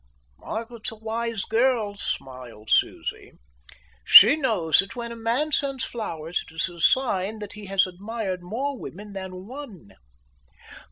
"Margaret's a wise girl," smiled Susie. "She knows that when a man sends flowers it is a sign that he has admired more women than one."